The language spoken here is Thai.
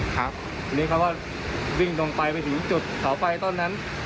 ครับทีนี้เขาก็วิ่งลงไปไปถึงจุดเสาไฟต้นนั้น